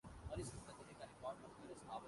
سو اللہ اللہ کر کے آملیٹ تیار ہوئے